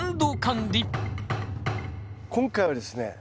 今回はですね